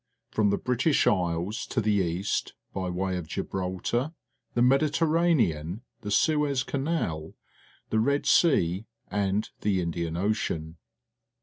From the British Isles to the East by way of Gibraltar, the Mediterranean, the Suez Canal, the Red Sea, and the Indian Ocean.